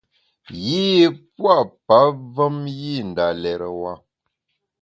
Yî pua’ pavem yî nda lérewa.